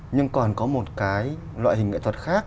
nhưng còn có một cái loại hình nghệ thuật khác